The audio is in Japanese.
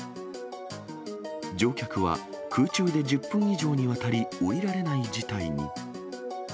乗客は空中で１０分以上にわたり降りられない事態に。